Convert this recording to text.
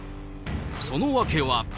その訳は。